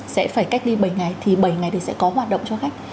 sẽ phải cách ly bảy ngày thì bảy ngày thì sẽ có hoạt động cho khách